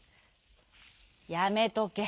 「やめとけ。